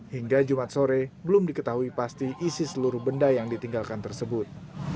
hingga jumat sore belum diketahui pasti isi seluruh benda yang ditinggalkan tersebut